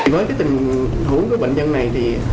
với tình huống của bệnh nhân này